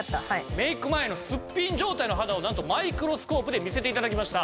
メイク前のすっぴん状態の肌をなんとマイクロスコープで見せて頂きました。